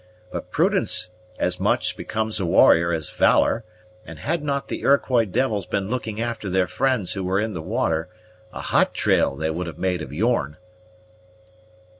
But prudence as much becomes a warrior as valor; and had not the Iroquois devils been looking after their friends who were in the water, a hot trail they would have made of yourn."